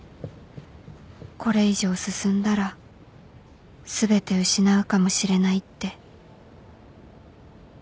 これ以上進んだら全て失うかもしれないって